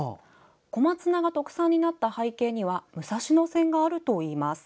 小松菜が特産になった背景には武蔵野線があるといいます。